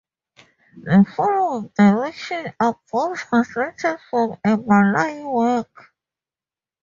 The following directions are both translated from a Malay work.